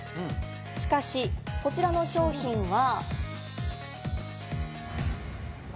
しかし、こちらの商品は。